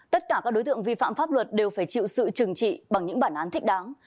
tất cả các đối tượng vi phạm pháp luật đều phải chịu sự trừng trị bằng những bản án thích đáng